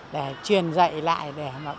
để truyền dạy lại để bảo tồn